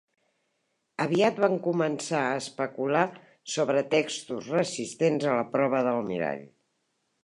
Aviat van començar a especular sobre textos resistents a la prova del mirall.